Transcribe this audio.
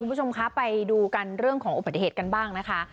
คุณผู้ชมคะไปดูกันเรื่องของอุบัติเหตุกันบ้างนะคะ